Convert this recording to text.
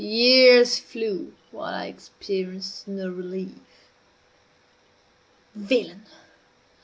Years flew, while I experienced no relief. Villain!